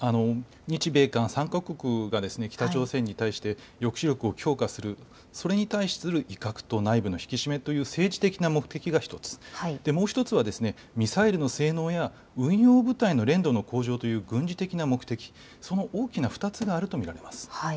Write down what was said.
日米韓３か国が北朝鮮に対して抑止力を強化する、それに対する威嚇と内部の引き締めという政治的な目的が１つ、もう１つはミサイルの性能や運用部隊の練度の向上という軍事的目的、その大きな２つがあると見られます。